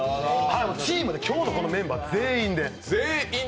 チームで、今日のこのメンバー全員で。